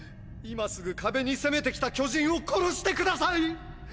今すぐ壁に攻めてきた巨人を殺して下さい！！